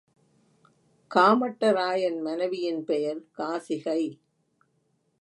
காமட்டராயன் மனைவியின் பெயர் காசிகை.